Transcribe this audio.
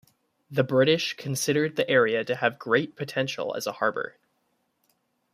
The British considered the area to have great potential as a harbour.